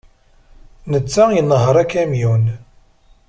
Netta inehheṛ akamyun.